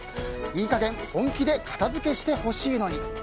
いい加減本気で片付けしてほしいのに。